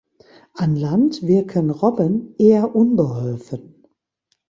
An Land wirken Robben eher unbeholfen.